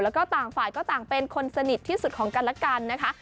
แล้วก็ต่างฝ่ายก็ต่างเป็นคนสนิทที่สุดของกันและกันนะคะ